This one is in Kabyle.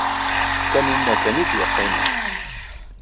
D Taninna kan ay d-yeqqimen.